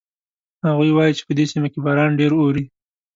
هغوی وایي چې په دې سیمه کې باران ډېر اوري